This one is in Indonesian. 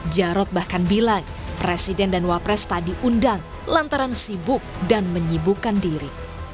jarod bahkan bilang presiden dan wapres tak diundang lantaran sibuk dan menyibukkan diri